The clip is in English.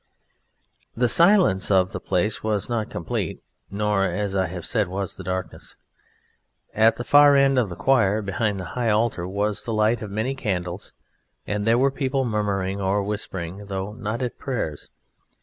The silence of the place was not complete nor, as I have said, was the darkness. At the far end of the choir, behind the high altar, was the light of many candles, and there were people murmuring or whispering, though not at prayers.